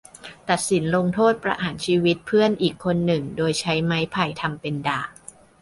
ตัดสินลงโทษประหารชีวิตเพื่อนอีกคนหนึ่งโดยใช้ไม่ไผ่ทำเป็นดาบ